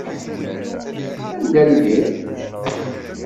Anda lliɣ?